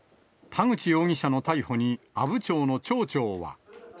田口容疑者の逮捕に阿武町の町長は。